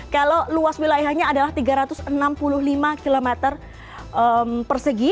kalau luas wilayahnya adalah tiga ratus enam puluh lima km persegi